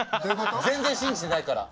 全然信じてないから！